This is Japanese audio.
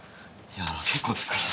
いや結構ですから。